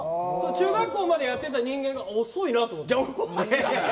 中学校までやってた人間が遅いなって思った。